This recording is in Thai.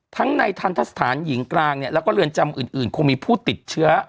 ทั้งในทันทะสถานหญิงกลางเนี่ยแล้วก็เรือนจำอื่นคงมีผู้ติดเชื้อ